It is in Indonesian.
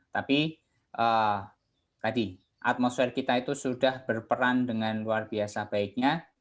tapi tadi atmosfer kita itu sudah berperan dengan luar biasa baiknya